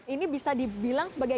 ini bisa dibilang sebagai